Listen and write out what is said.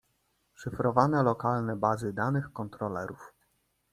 Szyfrowane lokalne bazy danych kontrolerów.